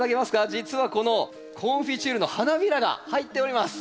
実はこのコンフィチュールの花びらが入っております。